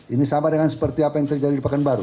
ini sama dengan seperti apa yang terjadi di pekanbaru